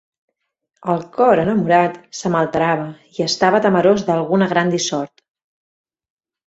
El cor, enamorat, se m'alterava, i estava temerós d'alguna gran dissort.